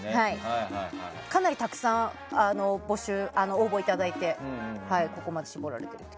かなりたくさん応募いただいてここまで絞られていると。